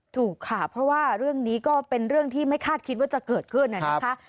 ถูกค่ะเพราะว่าเรื่องนี้ก็เป็นเรื่องที่ไม่คาดคิดว่าจะเกิดขึ้นนะคะ